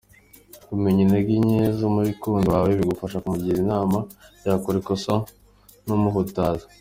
Kumenya intege nke z’umukunzi wawe bigufasha kumugira inama, yakora ikosa ntumuhutaze.